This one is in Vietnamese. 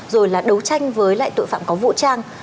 rồi là đấu tranh với loại tội phạm có vũ trang